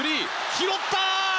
拾った！